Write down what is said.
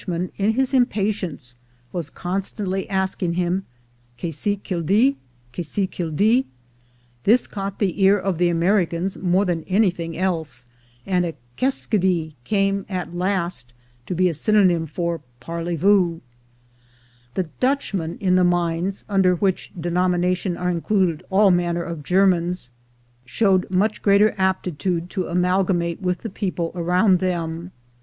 an, in his Im patience, was constantly asking him "Quest ce quil d'ltf "Quest ce quil ditf" This caught the ear of the .Americans more than anj thing else, and a "Kesk^dee" came at last to be a s^"Tlon5'm for a "Parlep oo." The "Dutchmen" in the mines, under which de nomination are included all m,anner of Germans, sliowed much greater aptitude to amalgamate with the j>eople around them.